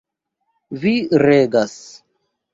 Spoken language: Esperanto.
Vi regas!